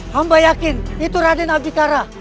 hamba yakin itu raden abikara